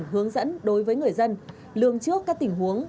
cần hướng dẫn đối với người dân lường trước các tình huống